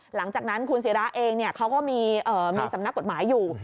หลังจากนั้นคุณศิราเองเขาก็มีสำนักกฎหมายอยู่